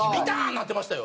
なってましたよ。